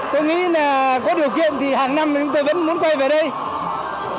tôi nghĩ là có điều kiện